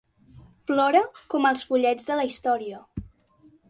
Plora com els follets de la història.